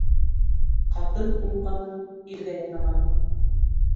Ҡатын уңғаны иргә яраған